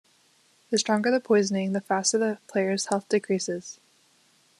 The stronger the poisoning, the faster the player's health decreases.